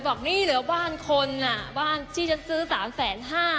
บอกนี่เหลือบ้านคนบ้านที่จะซื้อ๓๕แสน